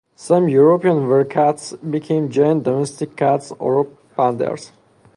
Some European werecats became giant domestic cats or panthers.